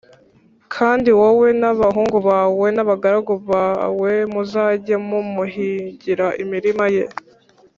Kandi wowe n’abahungu bawe n’abagaragu bawe muzajye mumuhingira imirima ye